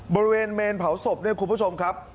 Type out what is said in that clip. บริเวณเมนเผาศพเนี่ยคุณผู้ชมครับ